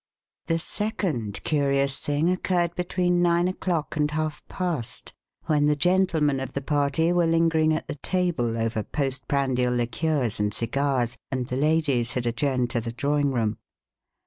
The second curious thing occurred between nine o'clock and half past, when the gentlemen of the party were lingering at the table over post prandial liqueurs and cigars, and the ladies had adjourned to the drawing room.